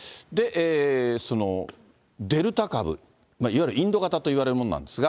そのデルタ株、いわゆるインド型といわれるものなんですが。